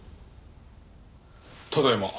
ただいま。